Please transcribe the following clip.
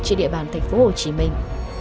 trên địa bàn thành phố hồ chí minh